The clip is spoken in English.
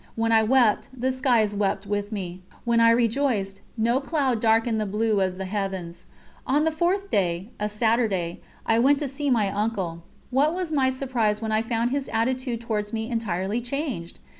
When I wept, the skies wept with me; when I rejoiced, no cloud darkened the blue of the heavens. On the fourth day, a Saturday, I went to see my uncle. What was my surprise when I found his attitude towards me entirely changed!